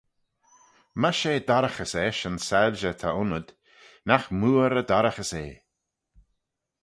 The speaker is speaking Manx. My she dorraghys eisht yn soilshey ta aynyd, nagh mooar y dorraghys eh!